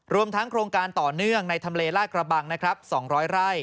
รวมทั้งโครงการต่อเนื่องในทำเลลากระบังนะครับ๒๐๐ไร่